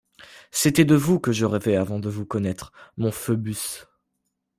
C’était de vous que je rêvais avant de vous connaître, mon Phœbus.